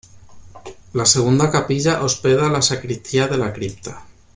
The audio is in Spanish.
La segunda capilla hospeda la sacristía de la cripta.